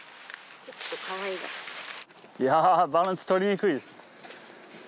いやバランスとりにくいです。